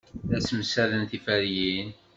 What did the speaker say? La ssemsaden tiferyin.